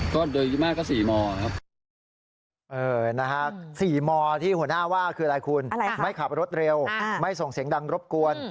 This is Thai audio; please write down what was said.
คืออะไรคุณไม่ขับรถเร็วไม่ส่งเสียงดังรบกวน